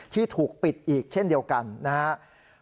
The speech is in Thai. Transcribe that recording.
ที่ถูกปิดอีกเช่นเดียวกันนะครับ